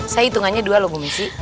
saya hitungannya dua loh bu messi